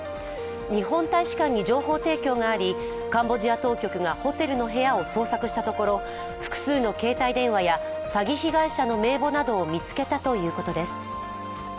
日本大使館に情報提供があり、カンボジア当局がホテルの部屋を捜索したところ、複数の携帯電話や詐欺被害者の名簿などを見つけたということです。